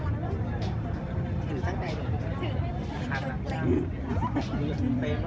มันกลม